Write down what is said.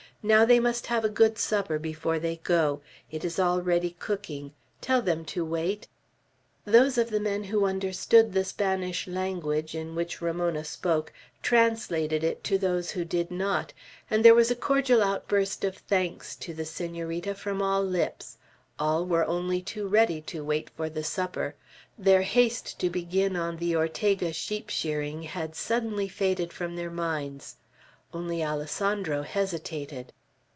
Now they must have a good supper before they go. It is already cooking. Tell them to wait." Those of the men who understood the Spanish language, in which Ramona spoke, translated it to those who did not, and there was a cordial outburst of thanks to the Senorita from all lips. All were only too ready to wait for the supper. Their haste to begin on the Ortega sheep shearing had suddenly faded from their minds. Only Alessandro hesitated.